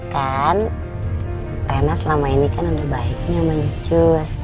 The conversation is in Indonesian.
kan rena selama ini kan udah baiknya sama anjus